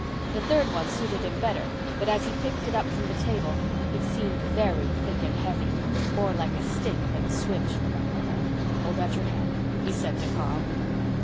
The third one suited him better; but as he picked it up from the table it seemed very thick and heavy—more like a stick than a switch. "Hold out your hand," he said to Carl.